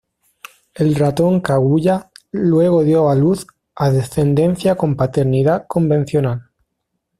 El ratón Kaguya luego dio a luz a descendencia con paternidad convencional.